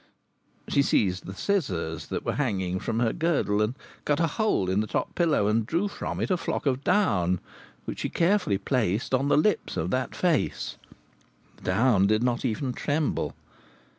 She seized the scissors that were hanging from her girdle, and cut a hole in the top pillow, and drew from it a flock of down, which she carefully placed on the lips of that face. The down did not even tremble.